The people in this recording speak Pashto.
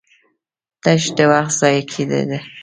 تش د وخت ضايع کېده دي